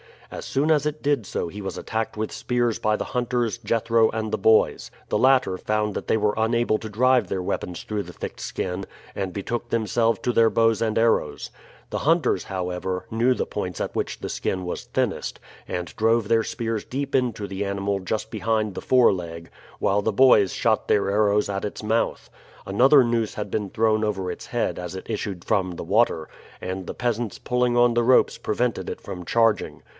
As soon as it did so he was attacked with spears by the hunters, Jethro, and the boys. The latter found that they were unable to drive their weapons through the thick skin, and betook themselves to their bows and arrows. The hunters, however, knew the points at which the skin was thinnest, and drove their spears deep into the animal just behind the fore leg, while the boys shot their arrows at its mouth. Another noose had been thrown over its head as it issued from the water, and the peasants pulling on the ropes prevented it from charging.